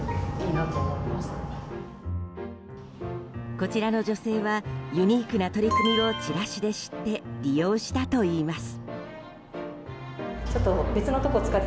こちらの女性はユニークな取り組みをチラシで知って利用したといいます。